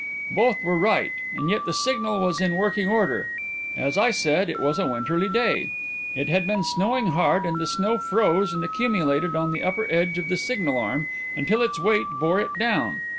Both were right, and yet the signal was in working order. As I said, it was a winterly day; it had been snowing hard and the snow froze and accumulated on the upper edge of the signal arm until its weight bore it down.